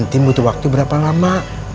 tim butuh waktu berapa lama